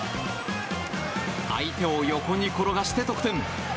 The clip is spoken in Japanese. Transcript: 相手を横に転がして得点！